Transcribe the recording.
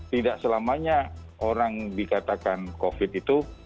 tidak selamanya orang dikatakan covid itu